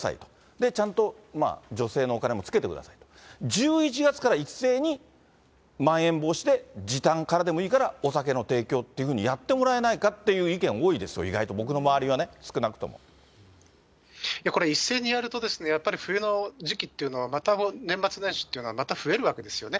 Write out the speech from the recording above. で、ちゃんと助成のお金もつけてください、１１月から一斉にまん延防止で時短からでもいいから、お酒の提供っていうふうにやってもらえないかっていう意見多いですよ、意外と、僕の周りはね、少なくとも。いや、これ一斉にやると、やっぱり冬の時期っていうのは、また年末年始っていうのはまた増えるわけですよね。